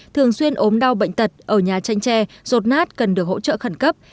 thường xuyên ốm đau bệnh tật ở nhà tranh tre rột nát cần được hỗ trợ khẩn cấp